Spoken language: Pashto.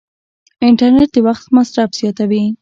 انټرنیټ د وخت مصرف زیاتوي.